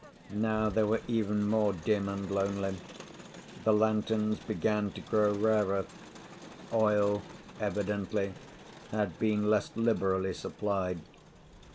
Now they were even more dim and lonely: the lanterns began to grow rarer, oil, evidently, had been less liberally supplied.